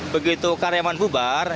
begitu karyawan bubar